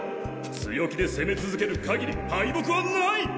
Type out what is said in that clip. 強気で攻め続ける限り敗北はない！